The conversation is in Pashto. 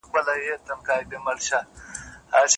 تر پخوا سره خواږه زاړه یاران سول